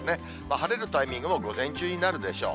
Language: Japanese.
晴れるタイミングも午前中になるでしょう。